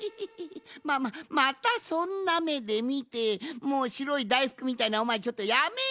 まあまあまたそんなめでみてもうしろいだいふくみたいなおまえちょっとやめろ！